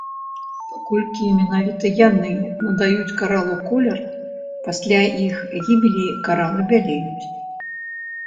Паколькі менавіта яны надаюць каралу колер, пасля іх гібелі каралы бялеюць.